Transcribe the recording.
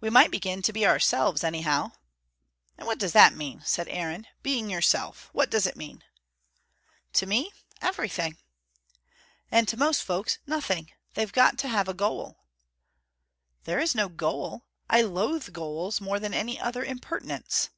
"We might begin to be ourselves, anyhow." "And what does that mean?" said Aaron. "Being yourself what does it mean?" "To me, everything." "And to most folks, nothing. They've got to have a goal." "There is no goal. I loathe goals more than any other impertinence.